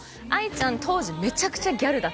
ＡＩちゃんは当時めちゃくちゃギャルで。